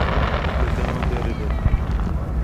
Di dema berê de